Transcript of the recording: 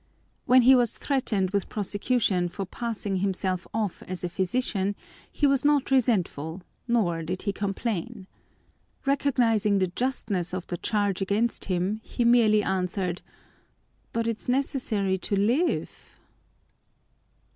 When he was threatened with prosecution for passing himself off as a physician he was not resentful nor did he complain. Recognizing the justness of the charge against him, he merely answered, "But it's necessary to live!"